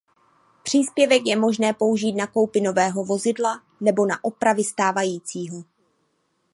Příspěvek je možné použít na koupi nového vozidla nebo na opravy stávajícího.